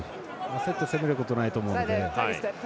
焦って攻めることないと思うので。